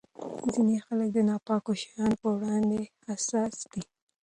ځینې خلک د ناپاکو شیانو پر وړاندې حساس دي.